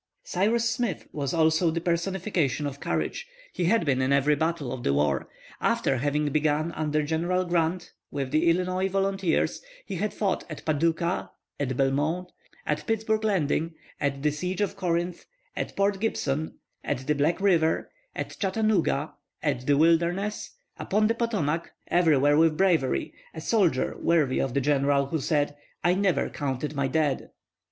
Cyrus Smith was also the personification of courage. He had been in every battle of the war. After having begun under General Grant, with the Illinois volunteers, he had fought at Paducah, at Belmont, at Pittsburg Landing, at the siege of Corinth, at Port Gibson, at the Black River, at Chattanooga, at the Wilderness, upon the Potomac, everywhere with bravery, a soldier worthy of the General who said "I never counted my dead."